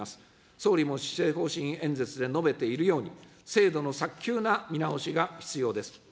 総理も施政方針演説で述べているように、制度の早急な見直しが必要です。